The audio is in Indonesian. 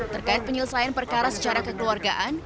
terkait penyelesaian perkara secara kekeluargaan